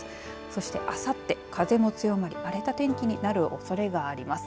そして、あさって風も強まり荒れた天気となるおそれがあります。